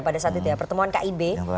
pada saat itu ya pertemuan kib